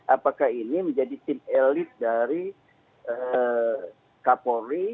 apakah ini menjadi tim elit dari kapolri